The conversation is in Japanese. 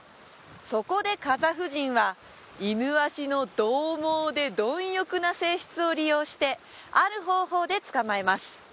そこでカザフ人はイヌワシのどう猛で貪欲な性質を利用してある方法で捕まえます